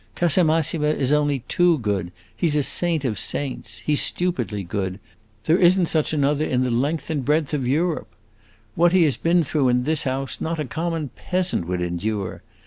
Casamassima is only too good, he 's a saint of saints, he 's stupidly good! There is n't such another in the length and breadth of Europe. What he has been through in this house, not a common peasant would endure.